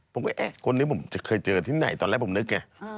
ผมก็เอ๊ะคนนี้ผมจะเคยเจอที่ไหนตอนแรกผมนึกไง